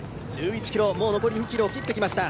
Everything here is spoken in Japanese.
１１ｋｍ、もう残り２ｋｍを切ってきました。